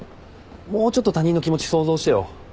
もうちょっと他人の気持ち想像してよ。